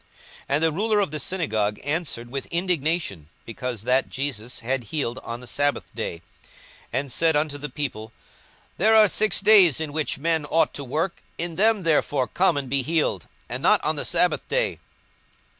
42:013:014 And the ruler of the synagogue answered with indignation, because that Jesus had healed on the sabbath day, and said unto the people, There are six days in which men ought to work: in them therefore come and be healed, and not on the sabbath day.